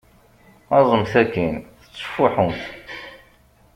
Aẓemt akin tettfuḥumt!